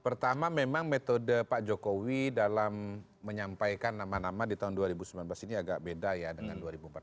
pertama memang metode pak jokowi dalam menyampaikan nama nama di tahun dua ribu sembilan belas ini agak beda ya dengan dua ribu empat belas